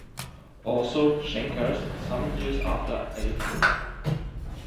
Also Schenker’s some years after ‘‘Eifel.’’